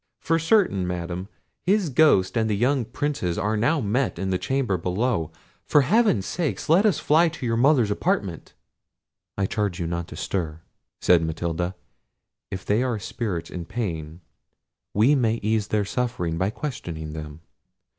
For certain, Madam, his ghost and the young Prince's are now met in the chamber below—for Heaven's sake let us fly to your mother's apartment!" "I charge you not to stir," said Matilda. "If they are spirits in pain, we may ease their sufferings by questioning them.